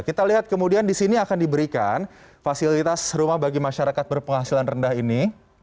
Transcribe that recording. kita lihat kemudian di sini akan diberikan fasilitas rumah bagi masyarakat berpenghasilan rendah ini